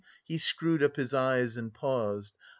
he screwed up his eyes and paused.